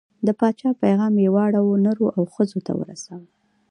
د پاچا پیغام یې واړو، نرو او ښځو ته ورساوه.